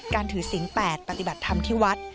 การถือศิลป์๘ปฏิบัติธรรมที่วัด